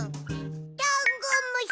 ダンゴムシ！